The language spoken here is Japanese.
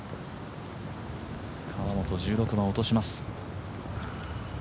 河本、１６番を落とします。